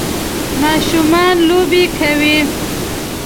ماشومان لوبې کوي